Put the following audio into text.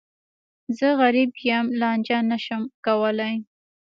زه غریب یم، لانجه نه شم کولای.